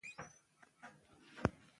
غوره کړى وي.